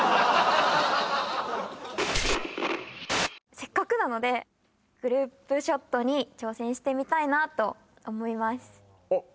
せっかくなのでグループショットに挑戦してみたいなと思いますあっ